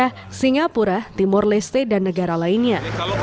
malaysia singapura timur leste dan negara lainnya